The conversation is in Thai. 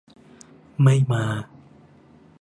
ไม่มา